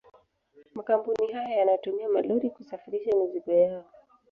Makampuni hayo yanatumia malori kusafirisha mizigo yao